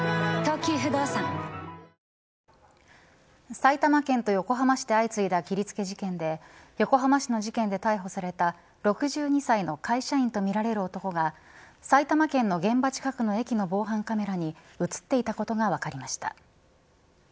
埼玉県と横浜市で相次いだ切りつけ事件で横浜市の事件で逮捕された６２歳の会社員とみられる男が埼玉県の現場近くの駅の防犯カメラに映っていたことが分かりました。